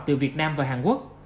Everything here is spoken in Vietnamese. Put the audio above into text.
từ việt nam và hàn quốc